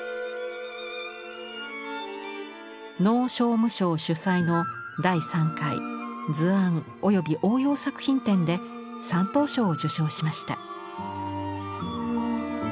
農商務省主催の第３回図案及応用作品展で３等賞を受賞しました。